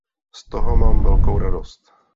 Z toho mám velkou radost.